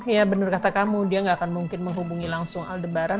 ya bener kata kamu dia gak akan mungkin menghubungi langsung aldebaran